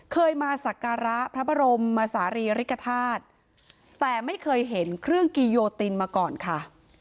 เคยมาสักการะพระบรมศาลีริกฐาตุแต่ไม่เคยเห็นเครื่องกิโยตินมาก่อนค่ะ